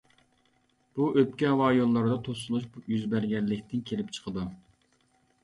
بۇ ئۆپكە ھاۋا يوللىرىدا توسۇلۇش يۈز بەرگەنلىكتىن كېلىپ چىقىدۇ.